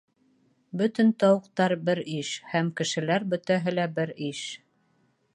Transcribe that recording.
Бөтөн тауыҡтар бер иш, һәм кешеләр бөтәһе лә бер иш.